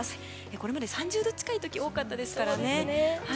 これまで３０度近い時が多かったですからね。